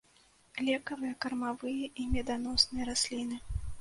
Лекавыя, кармавыя і меданосныя расліны.